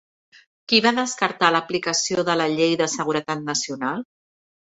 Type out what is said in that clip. Qui va descartar l'aplicació de la llei de seguretat nacional?